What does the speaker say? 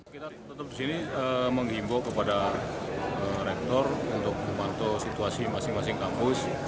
kita tetap di sini menghimbau kepada rektor untuk memantau situasi masing masing kampus